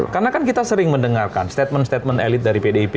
karena kan kita sering mendengarkan statement statement elit dari pdip